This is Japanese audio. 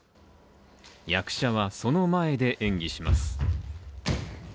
役者はその前で演技します。